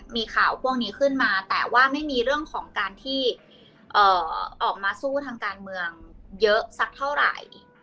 มีข่าวพวกนี้ขึ้นมาแต่ว่าไม่มีเรื่องของการที่ออกมาสู้ทางการเมืองเยอะสักเท่าไหร่